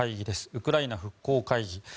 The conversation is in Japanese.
ウクライナ復興会議。